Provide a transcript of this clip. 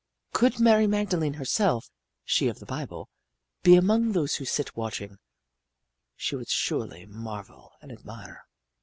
Could Mary Magdalene herself she of the Bible be among those who sit watching, she would surely marvel and admire.